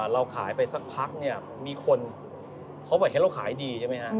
เราขายไปสักพักเนี่ยมีคนเขาบอกเห็นเราขายดีใช่ไหมฮะ